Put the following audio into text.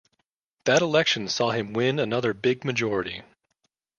That election saw him win another big majority.